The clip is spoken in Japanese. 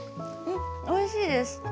おいしいです。